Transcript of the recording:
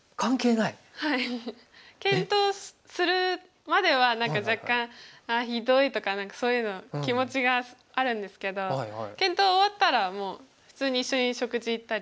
はい。検討するまでは何か若干「あひどい」とか何かそういうの気持ちがあるんですけど検討終わったらもう普通に一緒に食事行ったり。